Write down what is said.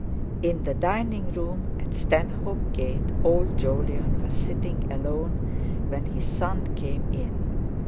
In the dining room at Stanhope Gate old Jolyon was sitting alone when his son came in.